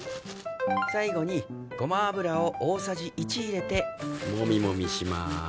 最後にごま油を大さじ１入れてモミモミします